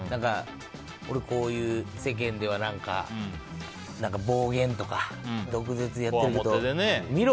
俺、こういう世間では暴言とか毒舌やってるけど見ろ！